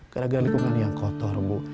gara gara lingkungan yang kotor bu